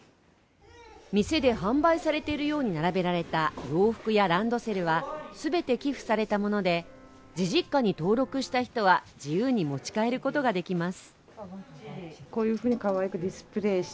店で販売されているように並べられた洋服やランドセルは全て寄付されたもので、じじっかに登録した人は自由に持ち帰ることができます。